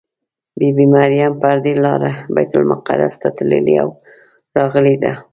بي بي مریم پر دې لاره بیت المقدس ته تللې او راغلې ده.